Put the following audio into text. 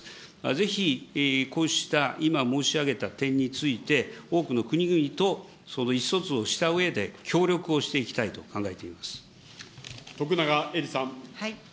ぜひ、こうした今申し上げた点について、多くの国々とその意思疎通をしたうえで、協力をしていきたいと考徳永エリさん。